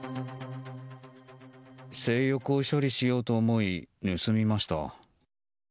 性欲を処理しようと思い盗みました。